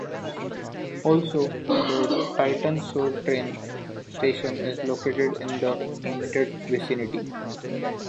Also, the Titan Sud train station is located in the immediate vicinity.